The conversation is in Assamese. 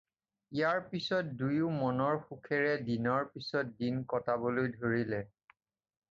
ইয়াৰ পিছত দুয়ো মনৰ সুখেৰে দিনৰ পিছত দিন কটাবলৈ ধৰিলে।